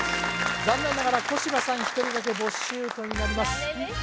残念ながら小柴さん一人だけボッシュートになりますえっ